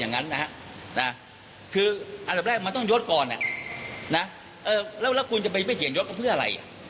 อันดับแรกมันต้องยศก่อนแล้วคุณจะไปเขียนยศก่อนเพื่ออะไร